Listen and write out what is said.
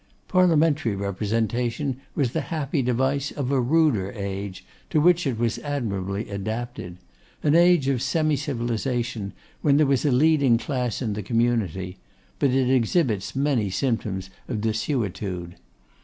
Parliamentary representation was the happy device of a ruder age, to which it was admirably adapted: an age of semi civilisation, when there was a leading class in the community; but it exhibits many symptoms of desuetude.